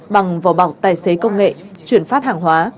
bằng vỏ bọc tài xế công nghệ chuyển phát hàng hóa